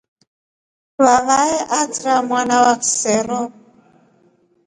Vavae aatra mwana wa kisero.